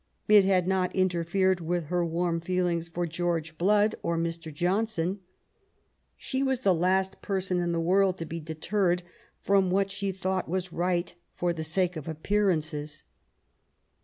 It had not interfered with her warm feelings for George Blood and Mr. Johnson. She was the last person in the world to be deterred from what she thought was right for the sake of appearances.